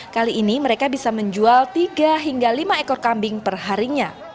kali ini mereka bisa menjual tiga hingga lima ekor kambing perharinya